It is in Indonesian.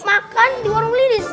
makan di warung lilis